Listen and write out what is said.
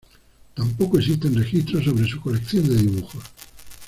Tampoco existen registros sobre su colección de dibujos.